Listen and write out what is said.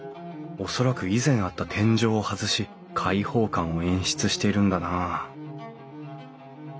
恐らく以前あった天井を外し開放感を演出しているんだな